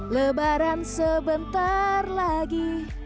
lebaran sebentar lagi